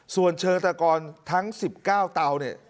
ส่วนเชิงตะกรทั้ง๑๙เตาเนี่ย